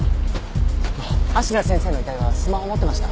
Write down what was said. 芦名先生の遺体はスマホ持ってました？